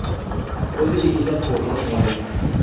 Fue dirigida por Ron Moler.